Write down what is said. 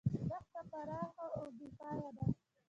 دښته پراخه او بې پایه ده.